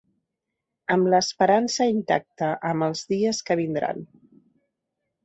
Amb l’esperança intacta amb els dies que vindran.